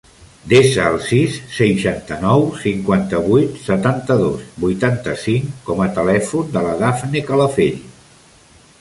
Desa el sis, seixanta-nou, cinquanta-vuit, setanta-dos, vuitanta-cinc com a telèfon de la Dafne Calafell.